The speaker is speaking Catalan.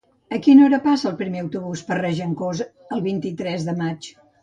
A quina hora passa el primer autobús per Regencós el vint-i-tres de maig?